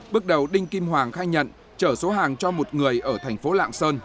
bước đầu đinh kim hoàng khai nhận chở số hàng cho một người ở thành phố lạng sơn